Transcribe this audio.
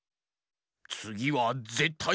つぎはぜったい。